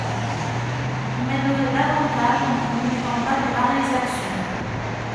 Vous m'aiderez davantage en ne commettant pas de pareilles actions.